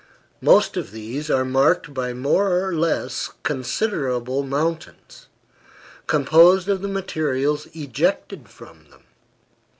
Most of these are marked by more or less considerable mountains, composed of the materials ejected from them.